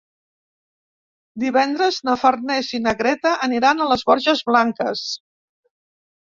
Divendres na Farners i na Greta aniran a les Borges Blanques.